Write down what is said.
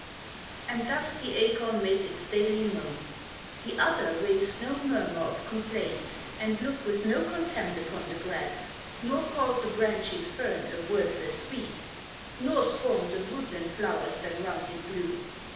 And thus the acorn made its daily moan. The other raised no murmur of complaint And looked with no contempt upon the grass Nor called the branching fern a worthless weed Nor scorned the woodland flowers that round it blew.